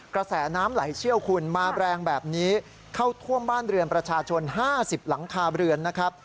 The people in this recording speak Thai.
กระแสน้ำไหลเชี่ยวคุณมาแรงแบบนี้เข้าท่วมบ้านเรือนประชาชน๕๐หลังคาเรือนนะครับ